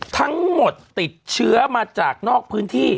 ทั้งหมดติดเชื้อมาจากนอกพื้นที่